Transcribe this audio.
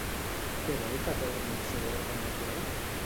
Què vol que torni al seu ordre natural?